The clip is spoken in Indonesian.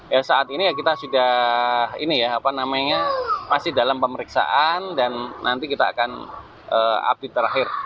ya saat ini ya kita sudah ini ya apa namanya masih dalam pemeriksaan dan nanti kita akan update terakhir